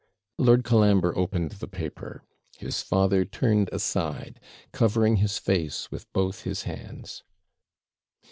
Lord Colambre opened the paper. His father turned aside, covering his face with both his hands.